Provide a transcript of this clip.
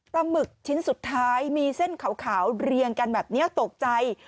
หมึกชิ้นสุดท้ายมีเส้นขาวเรียงกันแบบนี้ตกใจ